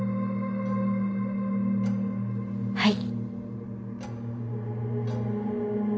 はい。